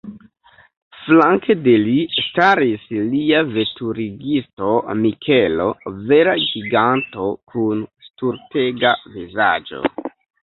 Flanke de li staris lia veturigisto Mikelo, vera giganto kun stultega vizaĝo.